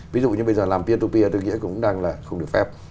ví dụ như bây giờ làm peer to peer tôi nghĩ cũng đang là không được phép